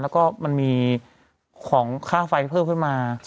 แล้วก็มันมีของค่าไฟเพิ่มขึ้นมา